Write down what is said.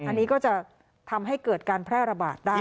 อันนี้ก็จะทำให้เกิดการแพร่ระบาดได้